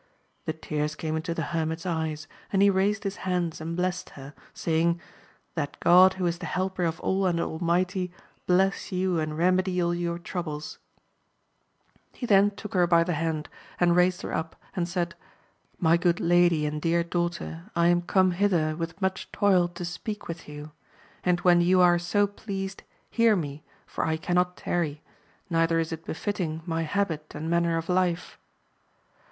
The tears came into the hermit's eyes, and he raised his hands and blessed her, saying. That God who is the helper of all and almighty, bless you and remedy all your troubles ! He then took her by the hand and raised her up, and said. My good lady and dear daughter, I am come hither with much toil to speak with you ; and when you are so pleased, hear me, for I .cannot tarry, neither is it befitting my habit and mapner of life.